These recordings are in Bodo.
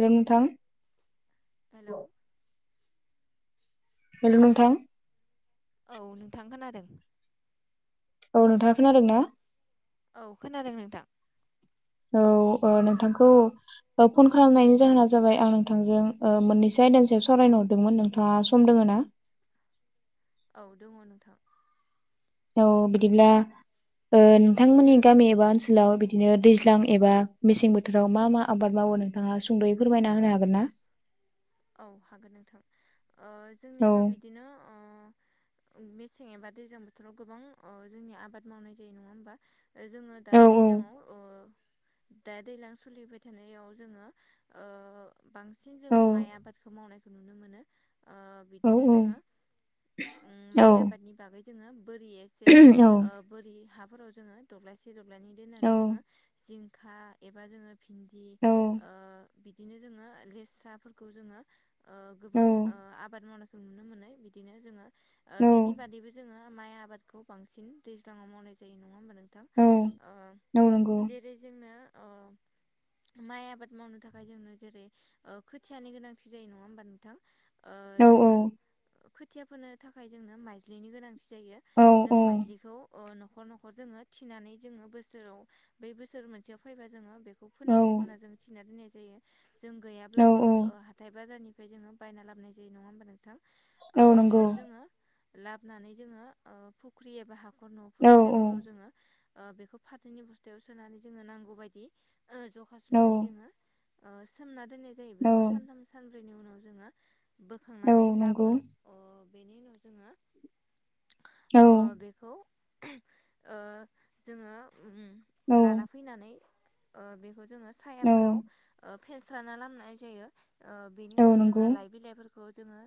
हेल' नोंथां हेल' हेल' नोंथां औ नोंथां खोनादों। औ नोंथाङा खोनादों ना? औ खोनादों नोंथां औ नोंथांखौ फन खालामनायनि जाहोना जाबाय आं नोंथांजों ओ मोननैसो आयदानि सायाव सावरायनो हरदोंमोन नोंथाङा सम दङ ना? औ दङ नोंथां औ बिदिब्ला ओ नोंथांमोननि गामि एबा ओनसोलाव बिदिनो दैज्लां एबा मेसें बोथोराव मा मा आबाद माव वो नोंथाङा सुंद'यै फोरमायना होनो हागोन ना? औ हागोन नोंथां ओ औ जोंनियाथ' बिदिनो मेसें एबा दैज्लां बोथोराव गोबां जोंनि आबाद मावनाय जायो नङा होमबा? जोङो दा औ दैज्लाङाव ओ दा दैज्लां सोलिबाय थानायाव जोङो ओ बांसिन औ जोङो माइ आ मावनायखौ नुनो मोनो ओ औ बिदिनो जोङो औ माइ आबाद बागै जोङो बोरिसे औ बोरि हाफोराव जोङो दब्लायसे दब्लायनै दोननानै जोङो जिंखा एबा जोङो भिन्दि ओ बि दिनो जोङो लेस्राफोरखौ ओ जोङो ओ औ गोबां आबाद मावना जों नुनो मोननाय बिदिनो जोङो बिनि औ बादैबो जोङो माइ आबादखौ बांसिन दैज्लाङाव मावनाय जायो नङा होमबा नोंं थां औ नंगौ ओ जेरै जोंनो ओ माइ आबाद मावनो थाखाय जोंनो जेरै खो थियानि गोनांथि जायो नङा होमबा नोंथां? ओ औ औ जोंनो खोथिया फोनो थाखाय जोंनो माइज्लिनि गोनांथि जायो औ जों माइज्लिखौ न' न'खर न'खर जोङो थिनानै जोङो बोसोराव बै बोसोर मोनसेयाव फैबा जोङो बे औ फांगौ होनना जों थिना दोननाय जायो जों औ गैयाब्ला औ हाथाय बाजारनि फ्राय बे जोङो बायना लाबाय जायो नङा होमबा नोंथां औ ओ नंगौ बेखौ जोङो लाबोनानै जोङो फुख्रि एबा हाखर औ न'फोर सेरफोराव जोङो बेखौ फाथैनि बस्थायाव सोनानै जोङो नांगौ बायदि जखा औ सुनानै जोङो ओ सोमना दोननाय जायो औ बेखौ सानथाम सानब्रैनि उनाव जोङो औ बोखांनानै नंगौ लाबो बेनि उनाव जोङो औ ओ बेखौ ओ जोङो उम औ लाना फैनानै ओ बेखौ जोङो औ सायाफोराव ओ फेनस्राना लामनाय जायो ओ बेनि औ उनाव नंगौ जोङो लाइ बिलाइफोर खौ जोङो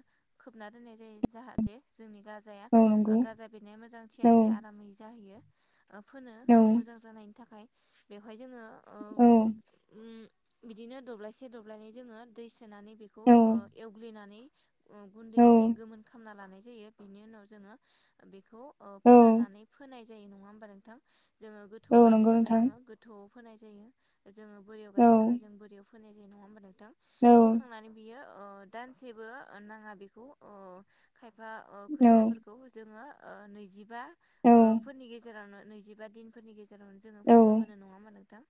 खोबना दोननाय जायो जाहाथे जोंनि गाजाया औ नंगौ गाजा बेरनाया मोजां औ थिया थिया आरामै जाहैयो। ओ फोनो औ मोजां जानायनि थाखाय बेवहाय जोङो ओ औ उम बिदिनो दब्लायसे दब्लायनै जोंङो दै सोनानै बेखौ ओ एवग्लिनानै ओ गुन्दै औ बिदि गोमोन खामना लानाय जायो बेनि उनाव जोंङो बेख खौ ओ औ फोरानानै फोनाय जायो नंङा हबा नोंथां जोंङो गोथौ औ गायनो नंगौ थाखाय नोंथां जोंङो गोथौ फोनाय जायो जोंङो बोरियाव औ गायनो थाखाय जों बोरयाव फोनाय थां औ फोखांनानै बियो ओ दानसेबो ओ नांङा बेखौ ओ खाइ फा ओ औ खोथियाफोरखौ जोंङो ओ नैजिबा औ ओ फोरनि गेजेरावनो नैजिबा दिनफोरनि गेजेरावनो जोंङो औ फुनो मोनो। नंङा होमा नोंथां?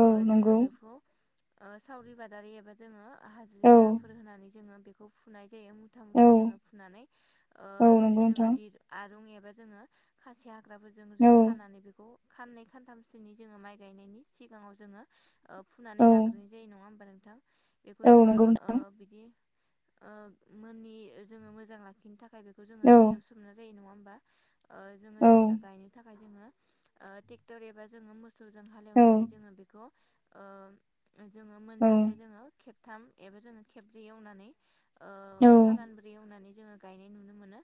औ ओ जोंङो नंगौ बेखौ ओ सावरि बादारि एबा जोंङो औ हाजिराफोर होनानै जोंङो बेखौ फुनाय थायो मुथा औ मुथा जोङो फुनानै ओ औ नंगौ जोङो नोंथां दिर आरुं एबा जोंङो खासि हाग्राबो जों औ जों खानानै बेखौ खाननै खानथामसोनि जोङो माइ गायनायनि सिगांङाव जोंङो ओ फुनानै औ लाग्रोनाय जायो नंङा होमबा नों थां बेखौ औ जोंङो नंगौ ओ नोंथां बिदि ओ मोननि जोंङो मोजां लाखिनो थाखाय बेखौ जोंङो औ दैयाव सोमना जायो नंङा होम बा ओ जोङो औ जेब्ला गायनो थाखाय जोङो ओ टेगथर एबा जोङो मोस सौजों औ हालेवनानै जोंङो बेखौ ओ जोंङो औ मोनजासे जोङो खेबथाम एबा जोङो खेब्रै एवनानै नंगौ सालब्रै एवनानै जोंङो गायनाय नुनो मोनो।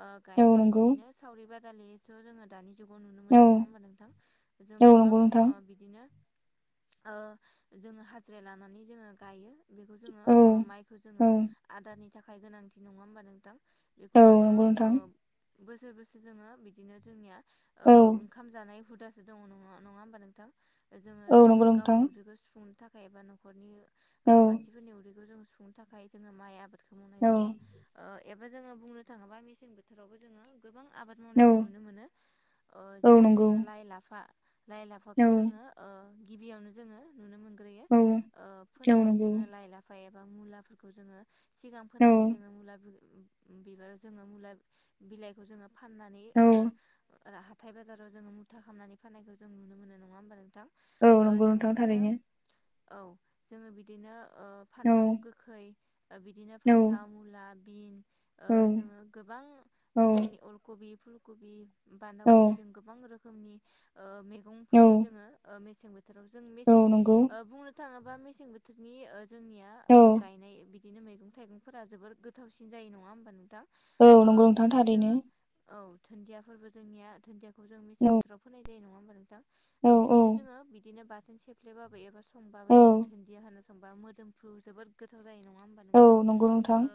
ओ औ गाय नंगौ बिदिनो सावरि बादालिथ' जोंङो दानि जुगाव नुनो नोंथां मोना नंङा होनबा नोंथां जों गोबां ओ औ बिदिनो ओ जोंङो हाजिरा लानानै जोंङो गायो। बेखौ जोंङो ओ माइखौ औ जोङो आदारनि थाखाय गोनांथि नंङा होमबा नोंथां? औ बेखौ जोंङो नंगौ ओ नोंथां बोसोर बोसोर जोङो बिदिनो जोंनिया ओ औ ओंखाम जानाय हुदासो दंङो। नङा नङा होमबा नोंथां? जोङो औ नंगौ गावनि नोंथां उदैखौ सुफुंनो थाखाय एबा नखरनि औ ओ मानसिफोरनि उदैखौ जोङो सु फुंनो थाखाय जोंङो माइ आबाद औ एबा जोंङो बुंनो थाङोबा मेसें बोथोरावबो जोंङो गोबां आबाद औ मावनायखौ नुनो मोनो औ जेरै नंगौ जोंङो लाइ लाफा लाइ औ लाफाखौ जोंङो ओ गिबियावनो जोङो नुनो मोनग्रोयो औ ओ औ फोनानै नंगौ जोंङो लाइ लाफा एबा मुलाफोरखौ जोंङो सिगां औ फोनानै जोंङो मुला [unintelligible] बिबार जोंङो मुला बिलाइखौ जोंङो फाननानै औ ओ रा हा थायाइ बाजाराव जोंङो मुथा खामनानै फानायखौ जों नुनो मोनो नंङा होमबा नों औ नंगौ नोंथां थारैनो। औ जोङो बिदिनो ओ औ फान्थाव गोखै ओ बिदिनो औ फान्थाव मुला बिन ओ औ जोंङो गोबां औ रोखोमनि अलकबि फुलकबि बान्दा खबि औ जों गोबां रोखोमनि ओ मैगं औ फैयो जोंङो ओ मेसे थोराव जों औ मेसें नंगौ ओ बुंनो थांङोबा मेसें बोथोरनि ओ जोंनिया औ ओ गायनाय बि दिनो मैगं थाइगंफोरा जोबोर गोथावसिन जायो। नंङा होमबा नोंथां? औ ओ नंगौ नोंथां बिदिनो जोङो थारैनो। औ दुन्दियाफोरबो जोंनिया दुन्दियाखौ जों औ मेसें बोथोराव फोनाय जायो। नंङा होमबा नोंथां? ओ औ औ बिदिनो जोंङो बिदिनो बाथोन सेफ्लेबाबो एबा संबाबो औ जों होना संबा मोदोमफ्रु जोबोद गोथाव जायो नङा औ नंगौ नोंथां।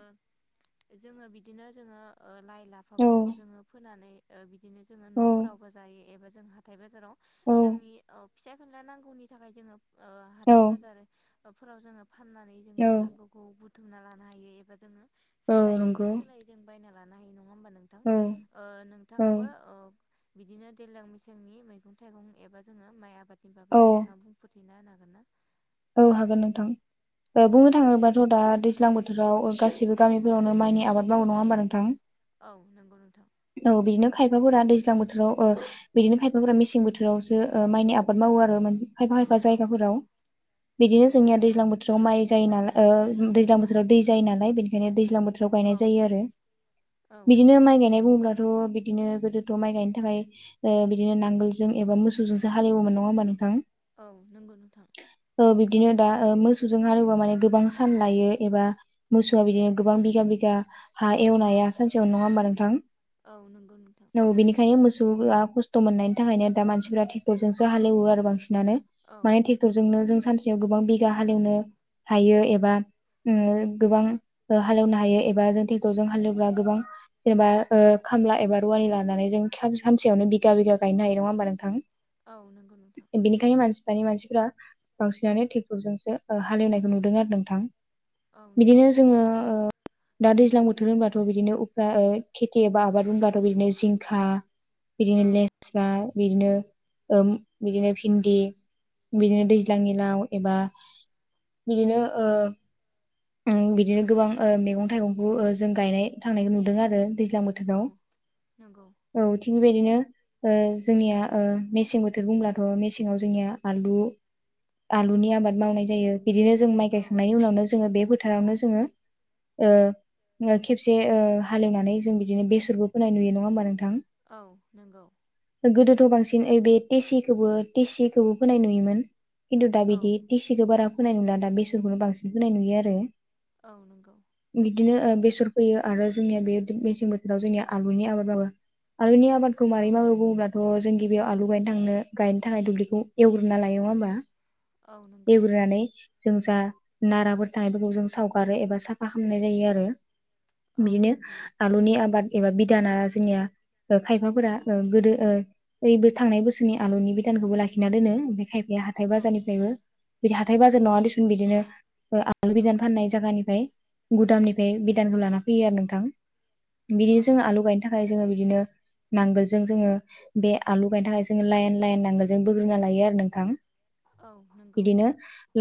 जोंङो बिदिनो जोङो ओ लाइ औ लाफाफोरखौ जोंङो फोनानै ओ बि बिदिनो जोंङो औ न'फोरावबो जायो एबा जों हाथाय बाजाराव औ जोंनि फिसा फेनला नांगौनि थाखाय जोंङो औ फोराव जोंङो फाननानै जोंङो नांगौखौ बुथुमना लानो हायो एबा जोंङो सोलाय बिनि नंगौ सोलाय जों बायना लानो नंङा होमबा नोंथां औ औ नोंथाङाबो बिदिनो दैज्लां मेसेंनि मैगं थाइगं एबा जोङो माइ आबादनि बागै नोंथाङा बुंफोर ना होनो हागोन ना? औ हागोन नोंथां औ बुंनो थाङोबाथ' दा दैज्लां बोथोर फोथोराव गासैबो गामिफोरावनो माइनि आबाद मावो नङा होमबा नोंथां औ नंगौ नोंथां औ बिदिनो खायफाफोरा दैज्लां बोथोराव बिदिनो खायफाफोरा मेसें बोथोरावसो माइनि आबाद मावो आरो खायफा खायफा औ जायगाफोराव नंगौ बिदिनो नंगौ जोंनिया दैज्लां बोथोर बोथोराव माइ जायो नाल ओ दैज्लां बोथोराव दै जायो नालाय बेनिखायनो दैज्लां बोथो राव औ गायनाय जायो आरो औ बिदिनो माइ गायनाय बुङोब्ला बिदिनो गोदोथ' माइ गायनो थाखाय बिदिनो नांगोलजों एबा मोसौजोंसो हालेवोमोन नङा होमबा नोंथां औ नंगौ नोंथां औ बिदिनो दा मोसौजों हालोबा माने गोबां सान लायो एबा मोसौआ बिदिनो गोबां बिगा बि हा एवनाया सानसेयाव नङा होनबा नोंथां औ नंगौ नोंथां औ बेनिखायनो खस्थ' मोननायनि थाखायनो दा मानसिफ्रा थेकटरजोंसो हालेवो आरो बांसिन औ माने नंगौ ट्रेक्टरजोंनो जों सानसेयाव गोबां बिगा हालेवनो हायो एबा गोबां हालेवनो हायो एबा जों ट्रेक्टरजों हालेवब्ला गोबां जेनेबा खामला एबा रुवानि लानानै जों सानसेयावनो बिगा बिगा गायनो हायो नङा होमबा नोंथां औ नंगौ नोंथां बेनिखायनो मानसि दानि मानसिफ्रा बांसिनानो ट्रेक्टरजोंसो हालेवनायखौ नुदों आरो नोंथां औ नंगौ बिदिनो जोङो ओ दा दैज्लां बोथोर होनबाथ' बिदिनो उफ्रा खेथि एबा आबाद होनबाथ' बिदिनो जिंखा बिदिनो औ लेस्रा बिदिनो बिदिनो भिन्दि बिदिनो दै लां दिनाव एबा बिदिनो ओ बिदिनो गोबां मैगं थाइगंखौ जों गायनाय थांनायखौ नुदों आरो दैज्लां औ बोथोराव नंगौ औ थिग बेबायदिनो जोंनिया मेसें बोथोर बुंब्लाथ' मेसेङाव जोंनिया आलु आलुनि आबाद मावनाय जायो बिदिनो जों माइ औ गायखांनायनि उनावनो जोङो बे फोथारावनो जोङो खेबसे हालेवनानै जों बिदिनो बेसरबो फोनाय नुयो नङा होमबा नोंथां औ नंगौ गोदोथ' बांसिन ओइ बे टिसिखौबो टिसिखौबो फोनाय नुयोमोन खिन्थु दा औ बिदि टिसिखौ बारा बोनाय नुला दा बेसरखौनो बांसिन फोनाय नुयो आरो औ नंगौ बिदिनो बेसर फोयो आरो जोंनिया बे मेसें बोथोराव जोंनि आलुनि आबाद मावो आलुनि आबाद आबादखौ औ मरै मावो बुङोब्लाथ' जों गिबियाव आलु गायनो थांनो गायनो थाखाय दुब्लिखौ एवग्रोना लायो नङा होमबा औ नंगौ एवग्रोनानै जों जा नाराफोर थानायफोरखौ जों सावगारो एबा साफा खालामनाय जायो आरो औ बिदिनो नंगौ आलुनि आबाद एबा बिदाना जोंनिया खायफाफोरा गोदोओ थांनाय बोसोरनि आलुनि बिधानखौबो लाखिना दोनो खायफाया हाथाय औ बाजारनिफ्रायबो बिदि हाथाय बाजार नङा दुसुन बिदिनो आलु बिदान फाननाय जायगानिफ्राय गुदामनिफ्राय बिदानखौ लाना फैयो आरो नोंथां बिदिनो औ जोङो आलु नंगौ गायनो थाखाय जोङो बिदिनो नांगोलजों जोङो बे आलु गायनो थाखाय जोङो लाइन लाइन नांगोलजों बोग्रोना लायो आरो नोंथां औ नंगौ बिदिनो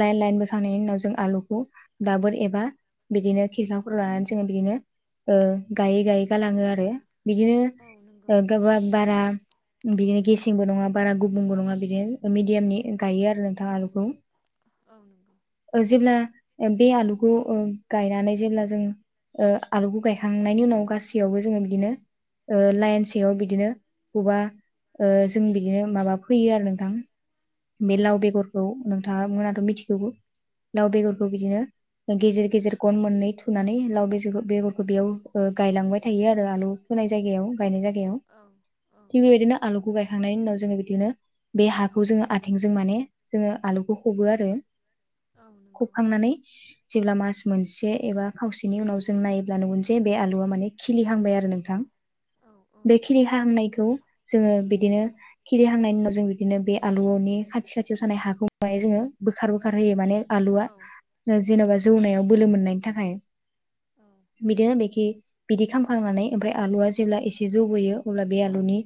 लाइन लाइन बोखांनायनि उनाव जों आलुखौ दाबोर एबा बिदिनो खिरखा फोराव लानानै जोङो बिदिनो ओ गायै गायै गालाङो आरो औ नंगौ बिदिनो गोबा बारा बिदिनो गेसेंबो नङा बारा गुबुंबो नङा बिदिनो मिडियामनि गायो आरो नोंथां आलुखौ औ नंगौ जेब्ला बे आलुखौ ओ गायनानै जेब्ला जों ओ आलुखौ गायखांनायनि उनाव गासैयावबो जोङो बिदिनो ओ लाइन सिङाव बिदिनो बबा ओ जों बिदिनो माबा फैयो आरो नोंथां बे लाव बेगरखौ नोंथाङा मोनाथ' मिथिगौ लाव औ बेगरखौ बिदिनो गेजेर गेजेर गन मोननै थुनानै लाव बेग बेगरखौ बेयाव गायलांबाय थायो आरो आलु नाय जायगायाव गायनाय जायगायाव औ औ थिग बेबायदिनो आलुखौ गायखांनायनि उनाव जोङो बिदिनो बे हाखौ जोङो आथिंजों माने जोङो आलुखौ फबो आरो औ नंगौ फबखांनानै जेब्ला मास मोनसे एबा खावसेनि उनाव जों नायोब्ला नंगोन जे बे आलुआ माने खिलिहांबाय आरो नोंथाङा औ [inaudible] बे खिलि हांनायखौ जोङो बिदिनो खिलि हांनायनि उनाव जों बिदिनो बे आलुनि खाथि खाथियाव थानाय हाखौ जोङो बोखार बोखार होयो माने आलुआ औ जेन'बा जौनायाव बोलो मोननायनि थाखाय बिदिनो बेखि बिदि खालामखांनानै ओमफ्राय आलुवा जेब्ला एसे जौबोयो अब्ला बे आलुनि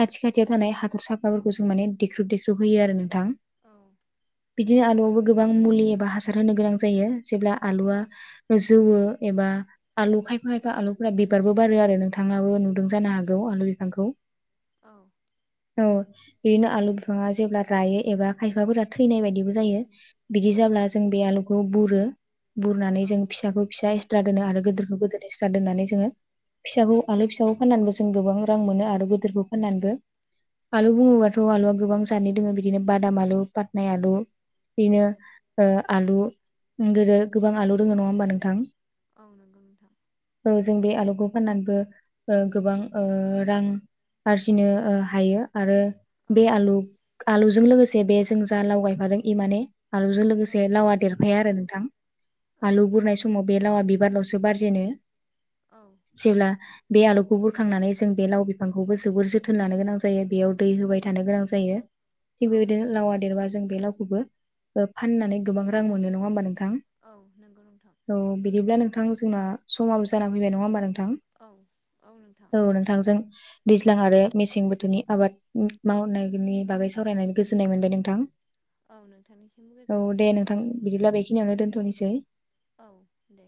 खाथि खाथियाव थानाय हाथर साफोरखौ जों माने देख्रुब देख्रुब होयो आरो नोंथां [inaudible] बिदिनो आलुवावबो गोबां मुलि हासार होनो गोनां जायो जेब्ला आलुवा जौवो एबा आलु खायफा खायफा आलु बिबारबो बारो आरो नोंथाङाबो नुदों जानो हागौ आलु बिफांखौ औ औ बिदिनो आलु बिफाङा जेब्ला रायो एबा खायफाफोरा थैनाय बायदिबो जायो बिदि जाब्ला जों बे बुरो बुरनानै जों फिसाखौ फिसा एक्स्रा दोनो आरो गोदोरखौ गोदोर एक्स्रा दोननानै जोङो फिसाखौ आलु फिसाखौ फाननानैबो जों गोबां रां मोनो आरो गिदिरखौ फाननानैबो आलु बुङोबाथ' आलुआ गोबां जादनि दङ बिदिनो बादाम आलु फाथनाय आलु औ बिदिनो ओ आलु गोदो गोबां आलु दङो नङा होमबा नोंथां औ नोंगौ नोंथां ओ जों बे आलुखौ फाननानैबो ओ गोबां ओ रां आरजिनो हायो आरो औ बे आलु आलुजों लोगोसे बे जों जा लाव गायफादों इमाने आलुजों औ लोगोसे माखासे लावा देरफाया आरो नोंथां औ आलु नंगौ बुरनाय नोंथां समाव बे लावा बिबारल'सो बारजेनो जेब्ला बे आलुखौ बोखांनानै जों बे लाव बिफांखौबो जोबोर जोथोन लानो गोनां जायो बेयाव दै होबाय थानो गोनां जायो थिग औ बेबायदिनो लावा देरबा जों बे लावखौबो फाननानै गोबां रां मोनो नङा होमबा नोंथां नोंथां औ नंगौ नोंथां थ' बिदिब्ला नोंथां जोंना समाबो जाना फैबाय नङा होमबा नोंथां औ औ नोंथां औ नोंथांजों दैज्लां आरो मेसें बोथोरनि आबाद मावनायनि बागै सावरायनानै गोजोननाय मोनबाय नोंथां औ नोंथांनिसिमबो औ गोजोननाय था दे नोंथां बिदिब्ला बेखिनियावनो दोनथ'नोसै औ दे